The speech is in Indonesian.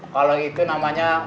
kalau itu namanya